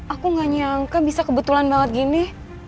aku gak nyangka bisa kebetulan banget gini